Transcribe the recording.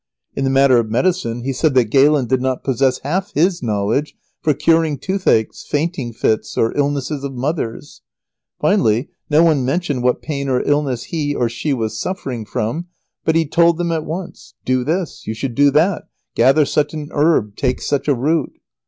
In the matter of medicine he said that Galen did not possess half his knowledge for curing toothaches, fainting fits, or illnesses of mothers. Finally, no one mentioned what pain or illness he or she was suffering from, but he told them at once do this, you should do that, gather such a herb, take such a root.